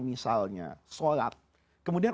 misalnya sholat kemudian